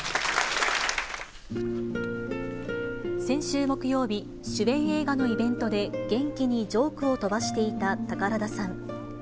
先週木曜日、主演映画のイベントで、元気にジョークを飛ばしていた宝田さん。